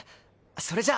それじゃあ。